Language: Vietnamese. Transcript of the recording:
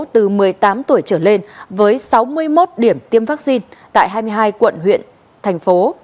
từ một mươi tám tuổi trở lên với sáu mươi một điểm tiêm vaccine tại hai mươi hai quận huyện thành phố